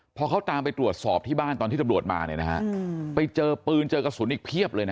พอเขาตามไปตรวจสอบที่บ้านตอนที่ตำรวจมาเนี่ยนะฮะไปเจอปืนเจอกระสุนอีกเพียบเลยนะ